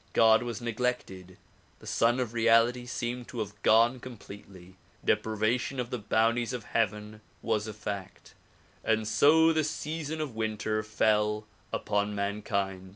God was neglected; the Sun of Reality seemed to have gone completely ; deprivation of the bounties of heaven was a fact ; and so the season of winter fell upon mankind.